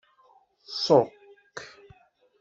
Ṣukk.